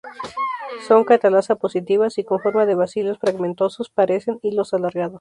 Son catalasa-positivas y con forma de bacilos filamentosos, parecen hilos alargados.